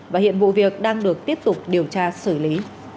và hiện vụ việc đang được tiếp tục điều tra xử lý